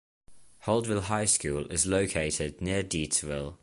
Holtville High School is located near Deatsville.